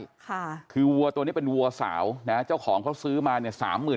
ค่ะคือวัวตัวนี้เป็นวัวสาวนะเจ้าของเขาซื้อมาเนี่ยสามหมื่น